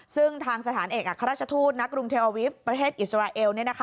ซึ่งทางสถานเอกอัครราชทูตนักกรุงเทลอาวิฟประเทศอิสราเอล